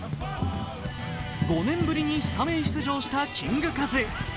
５年ぶりにスタメン出場したキングカズ。